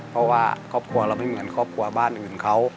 เพราะว่าครอบครัวเราไม่เหมือนครอบครัวบ้านอื่นเขา